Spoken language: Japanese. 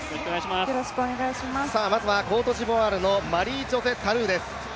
まずはコートジボワールのマリージョゼ・タルーです。